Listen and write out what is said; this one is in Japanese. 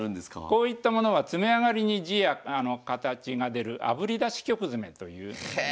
こういったものは詰めあがりに字や形が出るあぶり出し曲詰というへえ！